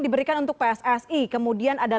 diberikan untuk pssi kemudian ada